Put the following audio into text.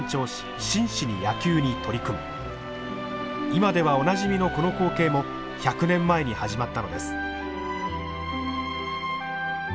今ではおなじみのこの光景も１００年前に始まったのです。